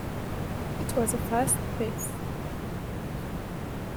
It was a fast pace.